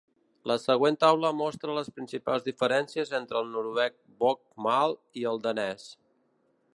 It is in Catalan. La següent taula mostra les principals diferències entre el noruec bokmål i el danès.